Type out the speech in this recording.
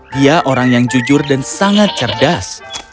dia orang yang jujur dan sangat cerdas